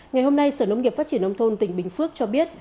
ngày hôm nay sở nông nghiệp phát triển nông thôn tỉnh bình phước cho biết